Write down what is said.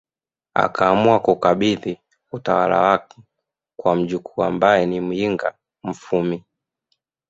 Akaamua kuukabidhi utawala wake kwa mjukuu ambaye ni Muyinga Mufwimi